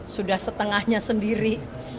sudah setengahnya sendiri